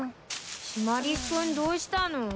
シマリス君どうしたの？